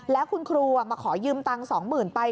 แล้วคุณครูมาขอยืมตังค์๒๐๐๐ไป